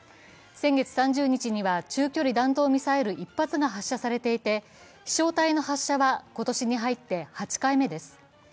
先月３０日には中距離弾道ミサイル１発が発射されていて、飛翔体の発射は今年に入って８回目です。